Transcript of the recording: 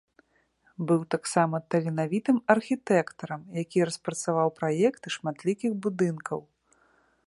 Быў таксама таленавітым архітэктарам, які распрацаваў праекты шматлікіх будынкаў.